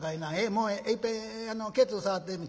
もういっぺんケツ触ってみい。